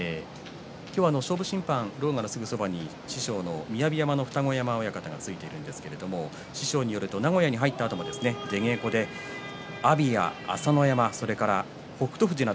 今日は勝負審判狼雅のすぐそばに雅山の二子山親方がすぐについているんですが師匠によると名古屋に入ったあとも出稽古で阿炎、朝乃山北勝